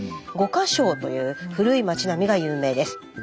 五個荘という古い町並みが有名です。